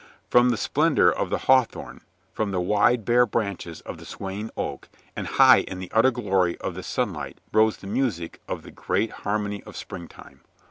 From the splendor of the hawthorn, from the wide, bare branches of the swaying oak and high in the utter glory of the sunlight rose the music of the great har mony of springtime.